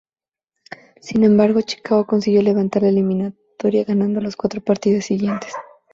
Sin embargo, Chicago consiguió levantar la eliminatoria ganando los cuatro partidos siguientes.